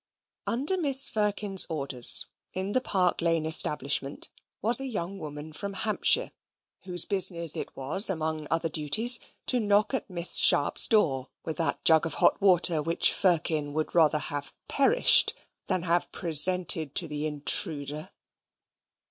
Under Mrs. Firkin's orders, in the Park Lane establishment, was a young woman from Hampshire, whose business it was, among other duties, to knock at Miss Sharp's door with that jug of hot water which Firkin would rather have perished than have presented to the intruder.